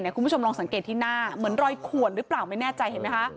คุณผู้ชมลองสังเกตที่หน้าเหมือนรอยขวนหรือเปล่าไม่แน่ใจเห็นไหมคะ